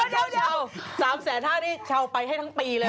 เดี๋ยว๓๕๐๐บาทนี่ชาวไปให้ทั้งปีเลย